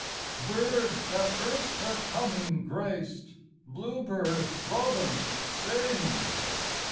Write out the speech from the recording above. Birds that erst her coming graced, Bluebird, robin, sing